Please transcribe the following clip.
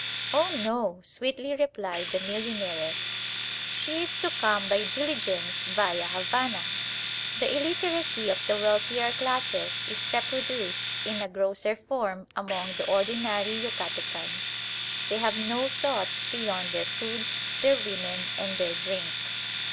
"Oh no" sweetly replied the millionairess, "she is to come by diligence via Havana!" The illiteracy of the wealthier classes is reproduced in a grosser form among the ordinary Yucatecans. They have no thoughts beyond their food, their women, and their drinks.